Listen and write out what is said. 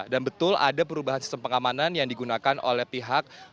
dan betul ada perubahan sistem pengamanan yang digunakan oleh pihak